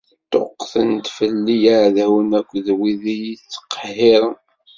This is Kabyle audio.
Ṭṭuqqten-d fell-i yiɛdawen akked wid i y-ittqehhiren.